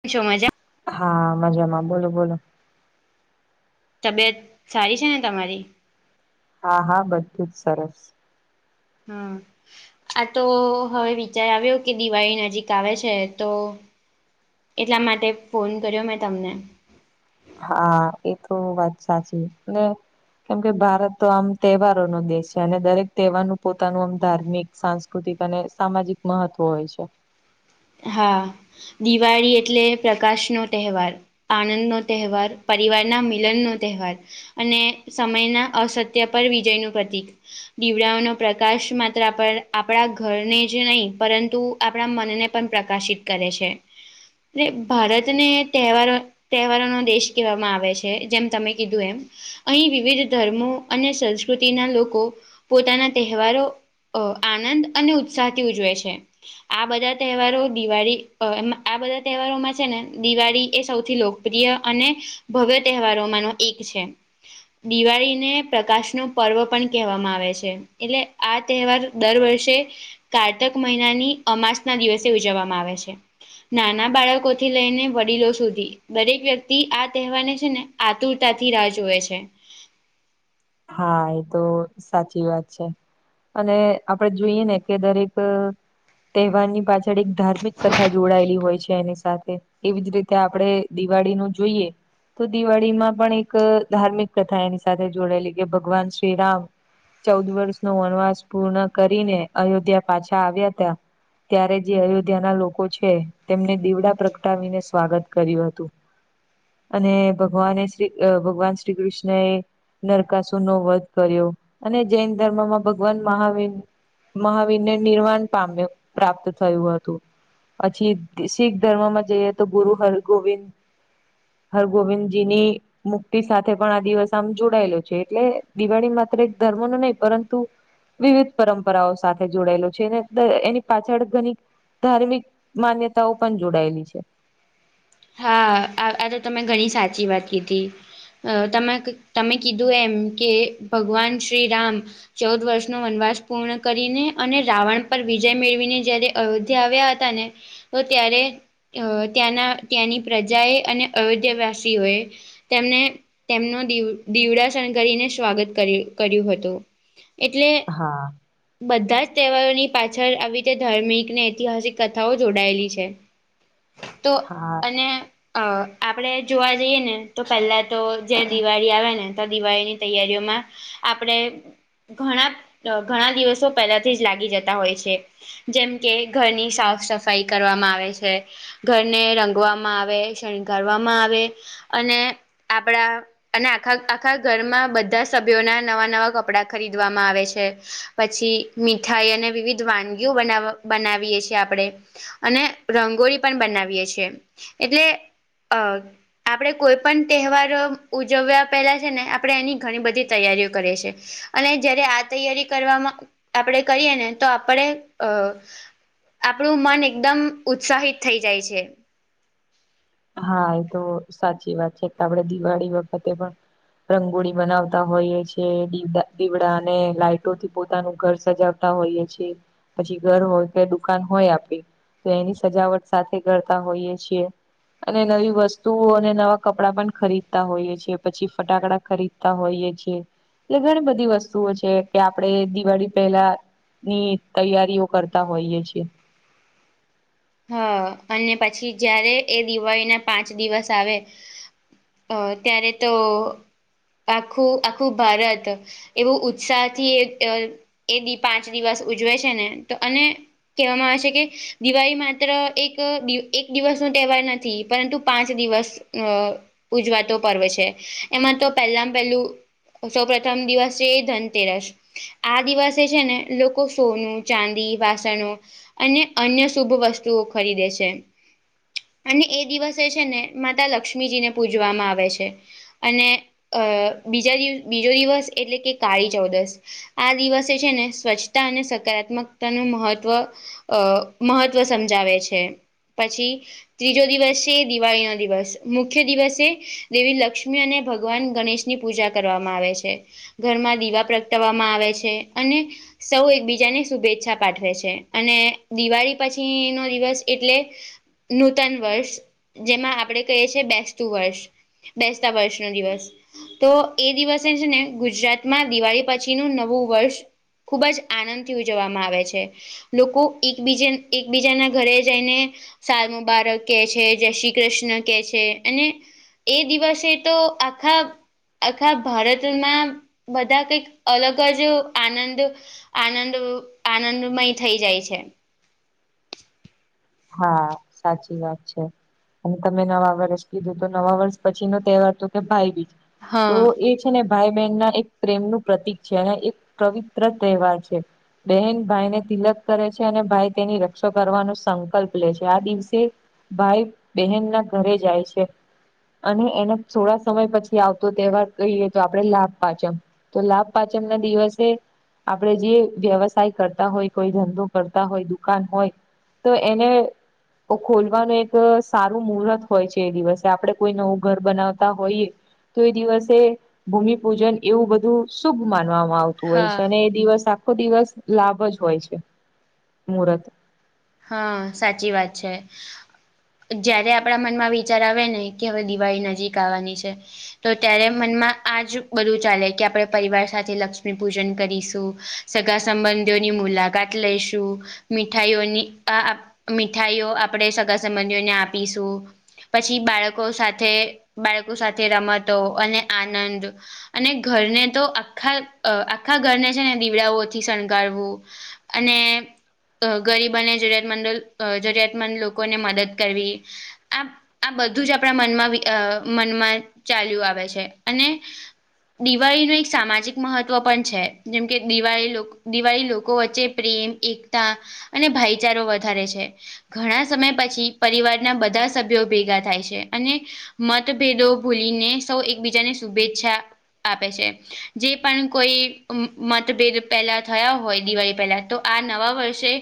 કેમ છો મજા? હા મજામાં, બોલો બોલો. તબિયત સારી છે ને તમારી? હા હા બધું જ સરસ. હમ્મ. આ તો હવે વિચાર આવ્યો કે દિવાળી નજીક આવે છે તો એટલા માટે ફોન કર્યો મેં તમને. હા એ તો વાત સાચી ને કેમ કે ભારત તો આમ તહેવારોનો દેશ છે અને દરેક તહેવારનું પોતાનું આમ ધાર્મિક સાંસ્કૃતિક અને સામાજિક મહત્વ હોય છે. હા દિવાળી એટલે પ્રકાશનો તહેવાર. આનંદનો તહેવાર, પરિવારના મિલનનો તહેવાર. અને સમયના અસત્ય પર વિજયનું પ્રતિક. દીવડાઓનો પ્રકાશ માત્ર આપ આપણા ઘરને જ નહીં પરંતુ આપણા મનને પણ પ્રકાશિત કરે છે ને ભારતને તહેવારો તહેવારોનો દેશ કહેવામાં આવે છે જેમ તમે કીધું એમ. અહીં વિવિધ ધર્મો અને સંસ્કૃતિના લોકો પોતાનાં તહેવારો અ આનંદ અને ઉત્સાહથી ઉજવે છે, આ બધા. તહેવારો, દિવાળી, આ બધા તહેવારોમાં છે ને, દિવાળી એ સૌથી લોકપ્રિય અને ભવ્ય તહેવારો માંનો એક છે. દિવાળીને પ્રકાશ નું પર્વ પણ કહેવામાં આવે છે. એટલે, આ તહેવાર દર વર્ષે કારતક મહિનાની અમાસ. ના દિવસે ઉજવવામાં આવે છે, નાના બાળકોથી લઈને વડીલો સુધી. દરેક વ્યક્તિ આ તહેવારને છે ને, આતુરતાથી રાહ જોએ છે. હા, એ તો સાચી વાત છે. અને આપડે જોઈએ ને, કે દરેક તહેવારની પાછી. ધાર્મિક કથા જોડાયેલી હોય છે એની સાથે. એવી જ રીતે આપણે દિવાળીનું જોઈએ. તો દિવાળીમાં પણ એક ધાર્મિક કથા એની સાથે જોડેલી, કે ભગવાન શ્રીરામ. ચૌદ વર્ષ નો વનવાસ પૂર્ણ કરીને અયોધ્યા પાછા આવ્યા હતા. ત્યારે જે અયોધ્યા ના લોકો છે, તેમને દીવડા પ્રગટાવીને સ્વાગત કર્યું હતું. અને ભગવાને શ્રી ભગવાન શ્રી કૃષ્ણ એ નર. ચકાસુ નો વધ કર્યો, અને જૈન ધર્મમાં ભગવાન મહાવીર. મહાવીરને નિર્વાણ પામ્યા પ્રાપ્ત થયું હતું. પછી, શીખ ધર્મમાં જઈએ તો, ગુરુ હરગોવિંદ. હરગોવિંદજી ની મુક્તિ સાથે પણ આ દિવસ આમ જોડાયેલો છે. એટલે, દિવાળી માત્ર એક ધર્મ નું નહીં, પરંતુ. વિવિધ પરંપરાઓ સાથે જોડાયેલ છે ને, એની પાછળ ઘણી. ધાર્મિક માન્યતાઓ પણ જોડાયેલી છે. હા, આ તો તમે ઘણી સાચી વાત કીધી. તમે તમે કીધું એમ કે, ભગવાન શ્રીરામ. ચૌદ વર્ષનો વનવાસ પૂર્ણ કરીને અને રાવણ પર વિજય મેળવીને, જયારે અયોધ્યા આવ્યા હતા ને. તો ત્યારે, અ ત્યાંના ત્યાંની પ્રજાએ અને અયોધ્યાવાસીઓએ. તેમને તેમનું દી દીવડાસન કરીને સ્વાગત કર્યું કર્યું હતું. એટલે. હા. બધા જ તહેવારોની પાછળ આવી રીતે ધાર્મિક ને ઐતિહાસિક કથાઓ જોડાયેલી છે. તો. હા. ને, અ આપડે જોવા જઈએ ને, તો પેલા તો જે દિવાળી આવે ને. દિવાળીની તૈયારીઓમાં આપડે. ઘણાપ અ ઘણા દિવસો પેલાથી જ લાગી જતા હોય છે. જેમ કે ઘરની સાફ સફાઈ કરવામાં આવે છે, ઘરને રંગ. વામાં આવે, શણગારવામાં આવે અને આપડા અને આખા આખા ઘરમાં બધા સભ્યોના નવા નવા કપડા ખરીદવામાં આવે છે. પછી મીઠાઈ અને વિવિધ વાનગીઓ બનાવ બનાવીએ છીએ આપડે. અને રંગોળી પણ બનાવીએ છે, એટલે અ આપડે કોઈ પન તેહવાર અ ઉજવ્યા પહેલા છે ને, આપડે એની ઘણી બધી તૈયારીઓ કરીએ છે. અને જયારે આ તૈયારી કરવામાં આપડે કરીએ ને, તો આપડે અ આપણું મન એકદમ ઉત્સાહિત થઈ જાય છે. હા, એ તો સાચી વાત છે કે આપડે દિવાળી વખતે પણ. રંગોળી બનાવતા હોઈએ છે, દીવડા, દીવડાને લાઈટોથી પોતાનું ઘર સજાવ તો હોઈએ છે, પછી ઘર હોય કે દુકાન હોય આપડી તો એની સજાવટ સાથે કરતા હોઈએ છીએ. અને નવી વસ્તુઓ અને નવા કપડાં પણ ખરીદતા હોઈએ છે, પછી ફટાકડા ખરીદતા હોઈએ છે. ટલે ઘણી બધી વસ્તુઓ છે કે, આપડે દિવાળી પહેલા. ની તૈયારીઓ કરતા હોઈએ છે. હ અને પછી જયારે એ દિવાળીના પાંચ દિવસ આવે અ ત્યારે તો આખું આખું ભારત એવું ઉત્સાહ થી એ અ એદી પાંચ દિવસ ઉજવે છે ને તો અને કેવામાં આવે છે કે દિવાળીમાં માત્ર એક એક દિવસ નો તહેવાર નથી પરંતુ પાંચ દિવસ અ ઉજવાતો પર્વ છે એમાં તો પેલામ પેલું સૌ પ્રથમ દિવસ છે એ ધનતેરસ આ દિવસે છે ને લોકો સોનું ચાંદી વાસણો અને અન્ય શુભ વસ્તુઓ ખરીદે છે. અને એ દિવસે છે ને માતા લક્ષ્મીજીને પૂજવામાં આવે છે. અને અ બીજા દીવસ બીજો દિવસ એટલે કે કાળી ચૌદશ આ દિવસે છે ને સ્વચ્છતા અને સકારાત્મકતા ને મહત્વ અ મહત્ત્વ સમજાવે છે પછી ત્રીજો દિવસ છે એ દિવાળી નો દિવસ મુખ્ય દિવસે દેવી લક્ષ્મી અને ભગવાન ગણેશ ની પૂજા કરવામાં આવે છે ઘરમાં દીવા પ્રગટાવામાં આવે છે અને સૌ એકબીજાને શુભેચ્છા પાઠવે છે અને દિવાળી પછીનો નો દિવસ એટલે નૂતન વર્ષ જેમાં આપડે કઈએ છે બેસતું વર્ષ બેસતા વર્ષનો દિવસ તો એ દિવસે છે ને ગુજરાતમાં દિવાળી પછીનું નવું વર્ષ ખૂબ જ આનંદથી ઉજવવામાં આવે છે લોકો એકબીજન એકબીજાના ઘરે જઈને સાલ મુબારક કે છે જય શ્રી કૃષ્ણ કે છે અને એ દિવસે તો આખા આખા ભારતના બધા કંઈક અલગ જ આનંદ આનંદ આનંદમય થઈ જાય છે. હા સાચી વાત છે. અને તમે નવા વરષ કીધું તો નવા વર્ષ પછી નો તહેવાર તો કે ભાઈબીજ તો હા એજ છે ને ભાઈ બહેન ના એક પ્રેમનું પ્રતિક છે અને એક પવિત્ર તહેવાર છે. બહેન ભાઈને તિલક કરે છે અને ભાઈ તેની રક્ષો કરવાનો સંક કલ્પ લે છે આ દિવસે ભાઈ બહેન ના ઘરે જાય છે. અને એને થોડા સમય પછી આવતો તહેવાર કહીએ તો આપડે લાભ પાચમ તો લાભ પાચમ ના દિવસે આપડે જે વ્યવસાય કરતા હોય કોઈ ધંધો કરતા હોય દુકાન હોય એને તો ખોલવાનું એક સારું મુહૂર્ત હોય છે એ દિવસે આપણેે કોઈ નવું ઘર બનાવતા હોઈએ તો એ દિવસે ભૂમિપૂજન એવું બધું શુભ માનવામાં આવતું હોય હા છે અને એ દિવસ આખો દિવસ લાભ જ હોય છે મુહર્ત હા સાચી વાત છે. જયારે આપણા મનમાં વિચાર આવે ને કે હવે દિવાળી નજીક આવવાની છે. તો ત્યારે મનમાં આજ બધું ચાલે કે આપણે પરિવાર સાથે લક્ષ્મી પૂજન કરીશું સગા સંબંધીઓની મુલાકાત લઈશું મીઠાઈઓની આ મીઠાઈઓ આપણેે સગા સંબંધીઓને આપીશું. પછી બાળકો સાથે બાળકો સાથે રમતો અને આનંદ અને ઘરને તો આખા અ આખા ઘરને છે ને દીવડાઓથી શણગારવું અને અ ગરીબ બને જરૂરિયાતમંદો જરૂરિયાતમંદ લોકોને મદદ કરવી આ આ બધું જ આપણા મનમાં બી અ મનમાં ચાલ્યું આવે છે અને દિવાળી નુ એક સામાજિક મહત્ત્વ પણ છે જેમકે દિવાળી દિવાળી લોકો વચ્ચે પ્રેમ એકતા અને ભાઈચારો વધારે છે. ઘણા સમય પછી પરિવારના બધા સભ્યો ભેગા થાય છે અને મતભેદો ભૂલીને સૌ એકબીજાને શુભેચ્છા આપે છે. જે પણ કોઈ મતભેદ પહેલા થયા હોય દિવાળી પહેલા તો આ નવા વર્ષે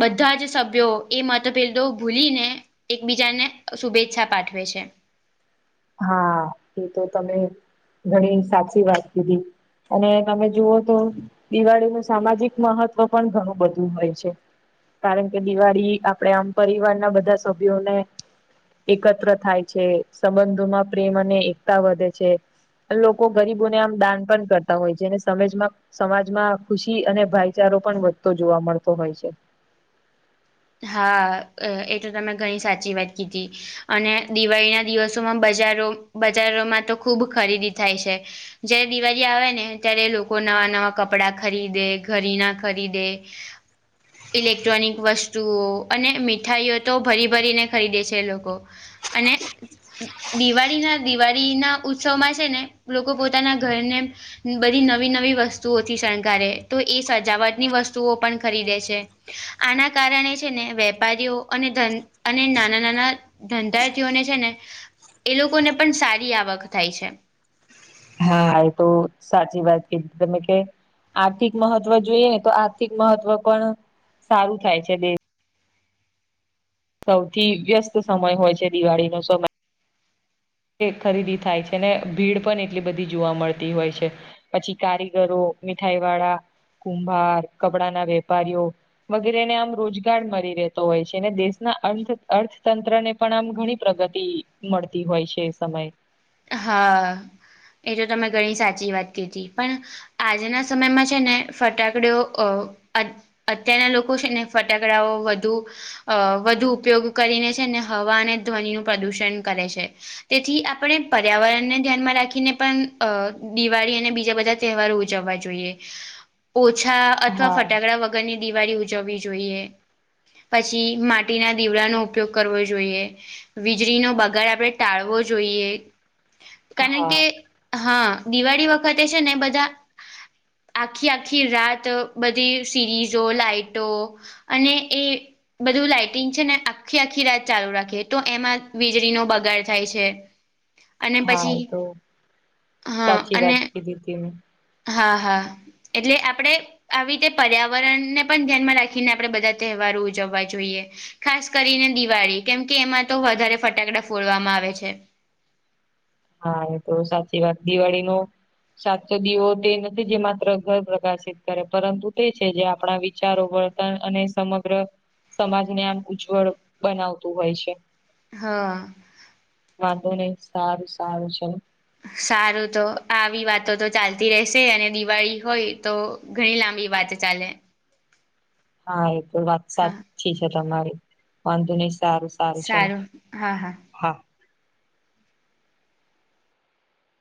બધા જ સભ્યો એ મતભેદો ભૂલી ને એકબીજાને શુભેચ્છા પાઠવે છે. હા એ તો તમે ઘણી સાચી વાત કીધી અને તમે જુઓ તો દિવાળીનું સામાજિક મહત્વ પણ ઘણું બધું હોય છે. કારણ કે દિવાળી આપણેે આમ પરિવારના બધા સભ્યોને એકત્ર થાય છે સંબંધોમાં પ્રેમ અને એકતા વધે છે. લોકો ગરીબોને આમ દાન પણ કરતા હોય છે ને સમજમાં સમાજમાં ખુશી અને ભાઈચારો પણ વધતો જોવા મળતો હોય છે. હા, એ તો તમે ઘણી સાચી વાત કીધી અને દિવાળી ના દિવસોમાં બજારો બજારોમાં તો ખૂબ ખરીદી થાય છે. જયારે દિવાળી આવે ને ત્યારે લોકો નવા નવા કપડાં ખરીદે ઘરીણા ખરીદે ઇલેક્ટ્રોનિક વસ્તુ ઓ અને મીઠાઈઓ તો ભરી ભરીને ખરીદે છે લોકો અને દિવાળીના દિવાળીના ઉત્સવમાં છે ને લોકો પોતાના ઘરને બધી નવી નવી વસ્તુઓથી શણગારે તો એ સજાવટની વસ્તુઓ પણ ખરીદે છે. આના કારણે છે ને વેપારીઓ અને અને નાના નાના ધંધાર્થીઓને છે ને એ લોકોને પણ સારી આવક થાય છે. હા, એ તો સાચી વાત કીધી તમે કે આર્થિક મહત્વ જોઈએ ને તો આર્થિક મહત્વ પણ સારું થાય છે દેશ સૌથી વ્યસ્ત સમય હોય છે દિવાળી નો સમય ખરીદી થાય છે ને ભીડ પણ એટલી બધી જોવા મળતી હોય છે. પછી કારીગરો મીઠાઈ વાળા કુંભાર કપડાના વેપારીઓ. વગેરેને આમ રોજગાર મળી રહેતો હોય છે અને દેશના અર્થતંત્રને પણ આમ ઘણી પ્રગતિ મળતી હોય છે એ સમયે. હા, એ તો તમે ઘણી સાચી વાત કીધી પણ આજના સમયમાં છે ને ફટાકડઓ અ અત્યારના લોકો છે ને ફટાકડાઓ વધુ અ વધુ ઉપયોગ કરીને છે અને હવા અને ધ્વનિનું પ્રદૂષણ કરે છે. તેથી આપણે પર્યાવરણને ધ્યાનમાં રાખીને પણ દિવાળી અને બીજા બધા તહેવારો ઉજવવા જોઈએ. [inaudible] ઓછા અથવા હા. ફટાકડા વગરની દિવાળી ઉજવવી જોઈએ. પછી માટીના દીવડાનો ઉપયોગ કરવો જોઈએ. વીજળીનો બગાડ આપડે ટાળવો જોઈએ. કારણ હા, કે હા, દિવાળી વખતે છે ને બધા આખી આખી રાત બધી સિરીઝો, લાઈટો અને એ બધું લાઈટિંગ છે ને આખી આખી રાત ચાલુ રાખીએ તો એમાં વીજળીનો બગાડ થાય છે. અને હા પછી એ તો હા, સાચી અને વાત કીધી તી મેં. હા, હા. એટલે આપડે આવી રીતે પર્યાવરણને પણ ધ્યાનમાં રાખીને આપણે બધા તહેવારો ઉજવવા જોઈએ. ખાસ કરીને દિવાળી કેમ કે એમાં તો વધારે ફટાકડા ફોડવામાં આવે છે. હા એ તો સાચી વાત દિવાળીનો સાચો દીવો તે નથી જે માત્ર ઘર પ્રકાશિત કરે, પરંતુ તે છે જે આપણા વિચારો પર અને સમગ્ર સમાજને આમ ઉજ્જવળ બનાવતું હોય છે. હા. વાંધો નઈ સારું, સારું ચાલો. સારું તો આવી વાતો તો ચાલતી રહેશે. અને દિવાળી હોય તો ઘણી લાંબી વાતો ચાલે. હા એ તો વાત હા સાચી છે તમારી. વાંધો નહી સારું. સારું હા હા હા